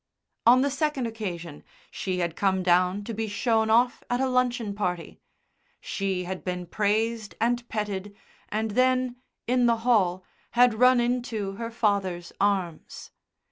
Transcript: On the second occasion she had come down to be shown off at a luncheon party. She had been praised and petted, and then, in the hall, had run into her father's arms.